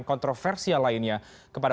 kontroversial lainnya kepada